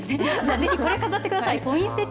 ぜひこれ飾ってください。